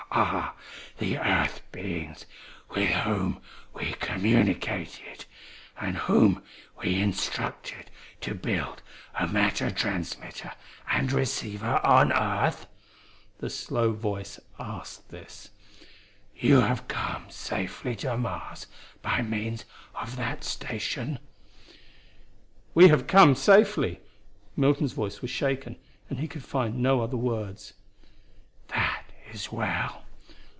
"You are the Earth beings with whom we communicated, and whom we instructed to build a matter transmitter and receiver on earth?" the slow voice asked. "You have come safely to Mars by means of that station?" "We have come safely." Milton's voice was shaken and he could find no other words. "That is well.